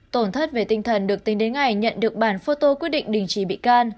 tổn thất về tinh thần được tính đến ngày nhận được bản phô tô quyết định đình trì bị can